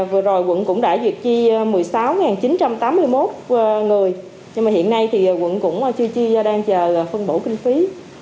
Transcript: vừa rồi quận cũng đã duyệt chi một mươi sáu chín trăm tám mươi một người nhưng hiện nay quận cũng chưa chi do đang chờ phân bổ kinh phí